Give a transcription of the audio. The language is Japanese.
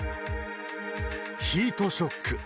ヒートショック。